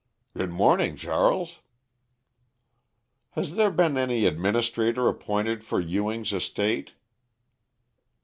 "Good morning, Charles." "Has there been any administrator appointed for Ewing's estate?"